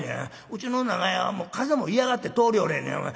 うちの長屋は風も嫌がって通りよれへんねん。